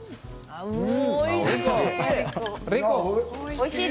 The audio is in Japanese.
おいしい。